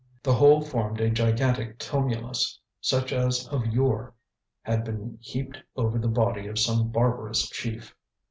The whole formed a gigantic tumulus, such as of yore had been heaped over the body of some barbarous chief.